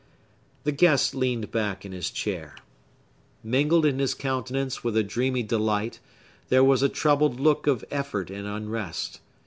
The guest leaned back in his chair. Mingled in his countenance with a dreamy delight, there was a troubled look of effort and unrest.